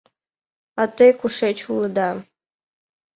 А те кушеч улыда?